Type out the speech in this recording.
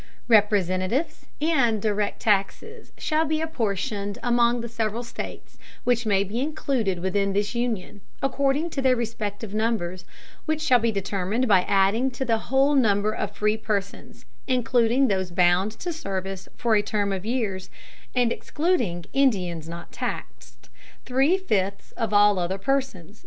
Representatives and direct Taxes shall be apportioned among the several States which may be included within this Union, according to their respective numbers, which shall be determined by adding to the whole Number of free Persons, including those bound to Service for a Term of Years, and excluding Indians not taxed, three fifths of all other Persons.